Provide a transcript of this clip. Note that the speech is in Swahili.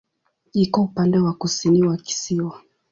Iko upande wa kusini wa kisiwa.